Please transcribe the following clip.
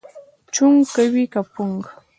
چونګ کوې که پونګ؟